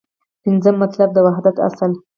پنځم مطلب : د وحدت اصل